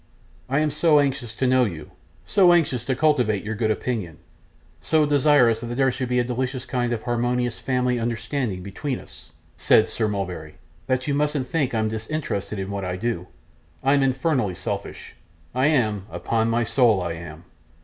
'I am so anxious to know you, so anxious to cultivate your good opinion, so desirous that there should be a delicious kind of harmonious family understanding between us,' said Sir Mulberry, 'that you mustn't think I'm disinterested in what I do. I'm infernal selfish; I am upon my soul I am.